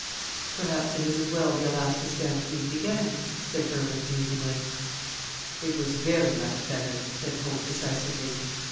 "Perhaps it is as well the Alaska stampede began," said Berwick musingly. "It was very much better," said Hope decisively.